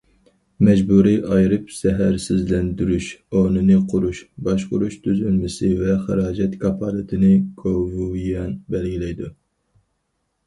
مەجبۇرىي ئايرىپ زەھەرسىزلەندۈرۈش ئورنىنى قۇرۇش، باشقۇرۇش تۈزۈلمىسى ۋە خىراجەت كاپالىتىنى گوۋۇيۈەن بەلگىلەيدۇ.